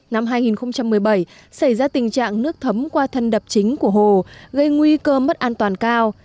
năm hai nghìn một mươi bảy xảy ra tình trạng nước thấm qua thân đập chính của hồ gây nguy cơ mất an toàn cao